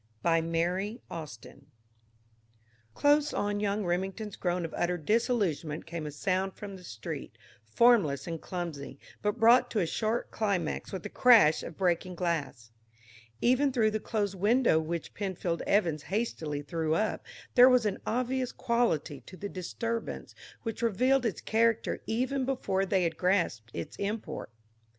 BY MARY AUSTIN Close on Young Remington's groan of utter disillusionment came a sound from the street, formless and clumsy, but brought to a sharp climax with the crash of breaking glass. Even through the closed window which Penfield Evans hastily threw up, there was an obvious quality to the disturbance which revealed its character even before they had grasped its import.